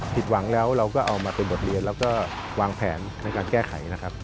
ผิดหวังแล้วเราก็เอามาเป็นบทเรียนแล้วก็วางแผนในการแก้ไขนะครับ